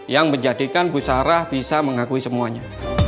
yang menjadikan bu sarah bisa mengakui semuanya